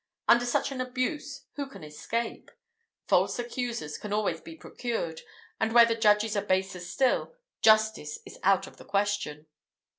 Under such an abuse, who can escape? False accusers can always be procured; and where the judges are baser still, justice is out of the question.